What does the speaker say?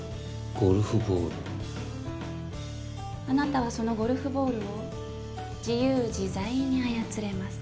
ゴルフボールあなたはそのゴルフボールを自由自在に操れます